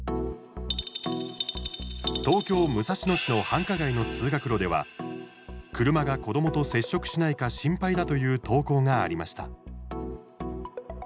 東京・武蔵野市の繁華街の通学路では車が子どもと接触しないか心配だという投稿がありました。